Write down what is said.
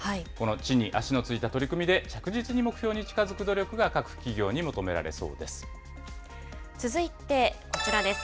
地に足のついた取り組みで着実に目標に近づく努力が各企業に求め続いてこちらです。